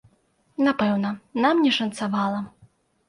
Напэўна, нам не шанцавала.